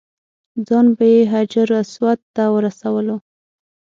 ځان به یې حجر اسود ته ورسولو.